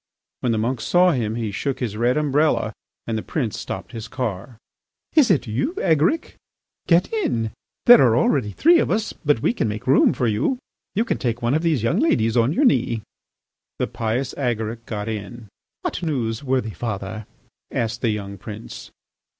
When the monk saw him he shook his red umbrella and the prince stopped his car. "Is it you, Agaric? Get in! There are already three of us, but we can make room for you. You can take one of these young ladies on your knee." The pious Agaric got in. "What news, worthy father?" asked the young prince.